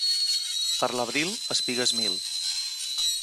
Per l'abril, espigues mil.